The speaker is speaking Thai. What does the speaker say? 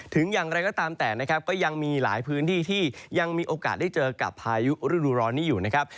อย่างไรก็ตามแต่นะครับก็ยังมีหลายพื้นที่ที่ยังมีโอกาสได้เจอกับพายุฤดูร้อนนี้อยู่นะครับ